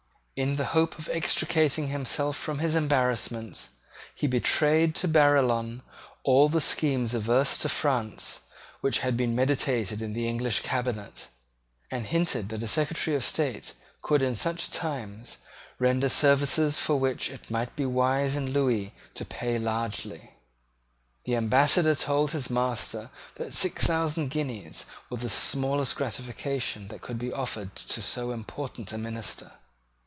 In the hope of extricating himself from his embarrassments, he betrayed to Barillon all the schemes adverse to France which had been meditated in the English cabinet, and hinted that a Secretary of State could in such times render services for which it might be wise in Lewis to pay largely. The Ambassador told his master that six thousand guineas was the smallest gratification that could be offered to so important a minister.